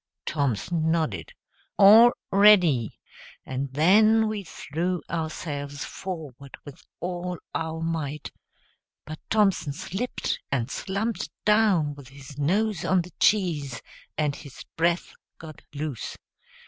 Thompson nodded "All ready," and then we threw ourselves forward with all our might; but Thompson slipped, and slumped down with his nose on the cheese, and his breath got loose.